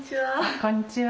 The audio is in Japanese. こんにちは。